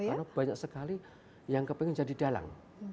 karena banyak sekali yang ingin jadi dalang